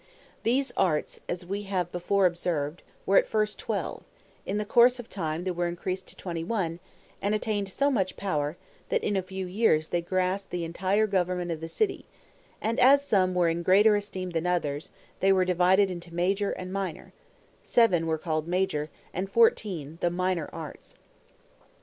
These arts, as we have before observed, were at first twelve; in the course of time they were increased to twenty one, and attained so much power, that in a few years they grasped the entire government of the city; and as some were in greater esteem than others, they were divided into MAJOR and MINOR; seven were called "major," and fourteen, the "minor arts."